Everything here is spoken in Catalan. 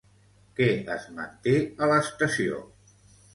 Què es manté a l'estació?